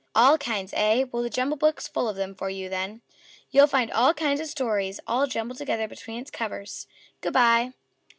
All kinds, eh? Well, the JUMBLE BOOK'S the book for you, then. You'll find all kinds of stories all jumbled together between its covers! Good by!"